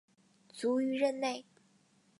卒于任内。